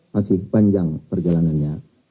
masih panjang perjalanannya